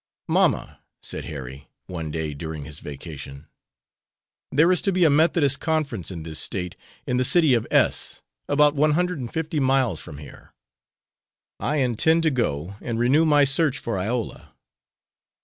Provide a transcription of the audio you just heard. "Mamma," said Harry, one day during his vacation, "there is to be a Methodist Conference in this State in the city of S , about one hundred and fifty miles from here. I intend to go and renew my search for Iola."